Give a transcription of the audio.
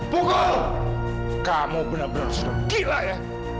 pukul kamu benar benar sudah gila ya